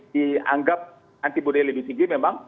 dianggap antibody lebih tinggi memang